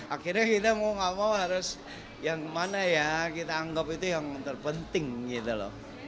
akhirnya kita mau gak mau harus yang kemana ya kita anggap itu yang terpenting gitu loh